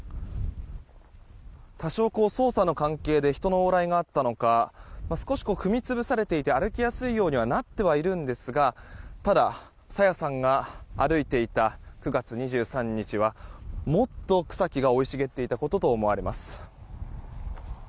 多少、捜査の関係で人の往来があったのか少し踏み潰されていて歩きやすいようにはなってはいるんですがただ、朝芽さんが歩いていた９月２３日はもっと草木が生い茂っていたことと思われます。